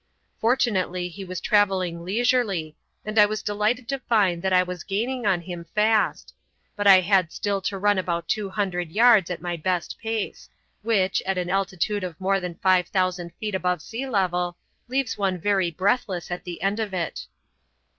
Fortunately he was travelling leisurely, and I was delighted to find that I was gaining on him fast; but I had still to run about two hundred yards at my best pace, which, at an altitude of more than 5,000 feet above sea level, leaves one very breathless at the end of it.